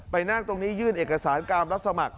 นั่งตรงนี้ยื่นเอกสารการรับสมัคร